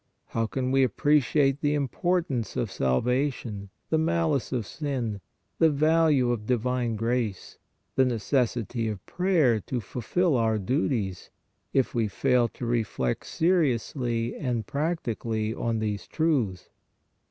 How can we appre ciate the importance of salvation, the malice of sin, the value of divine grace, the necessity of prayer to fulfil our duties, if we fail to reflect seriously and practically on these truths?